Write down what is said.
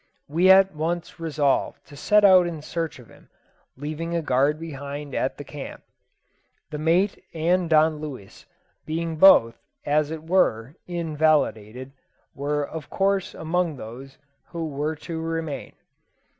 We at once resolved to set out in search of him, leaving a guard behind at the camp. The mate and Don Luis, being both, as it were, invalided, were of course among those who were to remain.